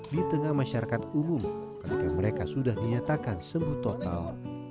di tengah masyarakat umum ketika mereka sudah dinyatakan sembuh total